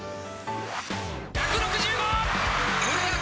１６５！